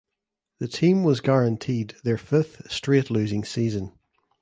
The team was guaranteed their fifth straight losing season.